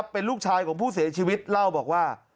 เป็นลูกชายของผู้เสียชีวิตเล่าบอกว่า